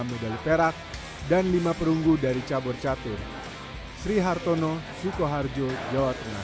enam medali perak dan lima perunggu dari cabur catur sri hartono sukoharjo jawa tengah